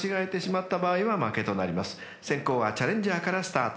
［先攻はチャレンジャーからスタート］